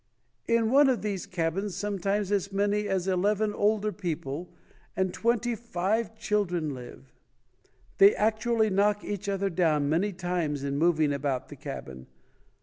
In one of these cabins sometimes as many as eleven older people and twenty five children live. They actu ally knock each other down many times in moving about the cabin.